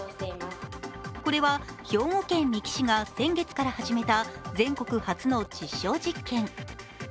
これは兵庫県三木市が先月から始めた全国初の実証実験。